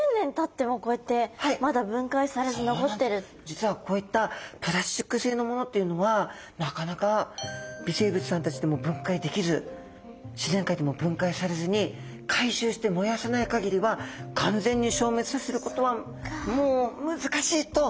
実はこういったプラスチック製のものっていうのはなかなか微生物さんたちでも分解できず自然界でも分解されずに回収して燃やさない限りは完全に消滅させることはもう難しいと専門家の先生方もおっしゃるんですね。